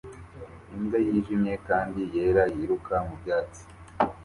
imbwa yijimye kandi yera yiruka mu byatsi